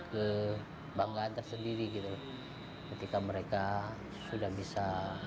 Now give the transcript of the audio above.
kebanggaan tersendiri gitu ketika mereka sudah bisa